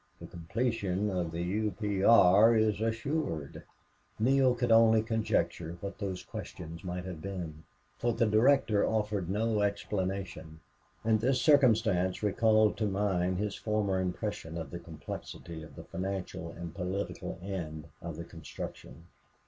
The completion of the U.P.R. is assured." Neale could only conjecture what those questions might have been, for the director offered no explanation. And this circumstance recalled to mind his former impression of the complexity of the financial and political end of the construction.